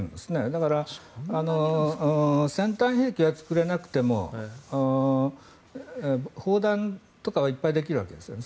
だから、先端兵器は作れなくても砲弾とかはいっぱいできるわけですね。